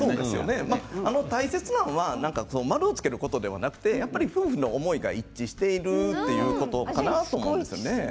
大切なのは〇をつけることではなくて夫婦の思いが一致しているということかなと思います。